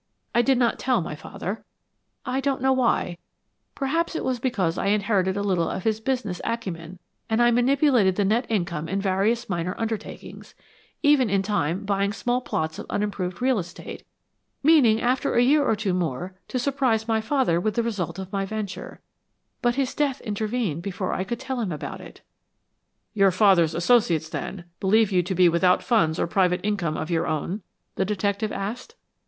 I did not tell my father I don't know why, perhaps it was because I inherited a little of his business acumen, but I manipulated the net income in various minor undertakings, even in time buying small plots of unimproved real estate, meaning after a year or two more to surprise my father with the result of my venture, but his death intervened before I could tell him about it." "Your father's associates, then, believe you to be without funds or private income of your own?" the detective asked.